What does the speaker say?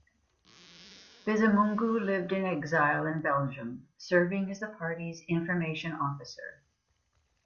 Bizimungu lived in exile in Belgium, serving as the party's information officer.